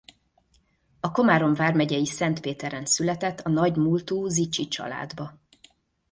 A Komárom vármegyei Szentpéteren született a nagy múltú Zichy családba.